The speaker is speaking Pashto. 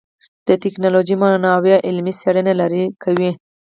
د ټکنالوژۍ موانع علمي څېړنې لرې کوي.